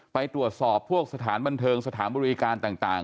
ไปตรวจสอบพวกสถานบันเทิงสถานบริการต่าง